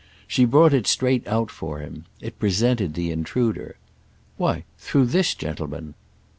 She brought it straight out for him—it presented the intruder. "Why, through this gentleman!"